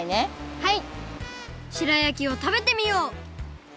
はい。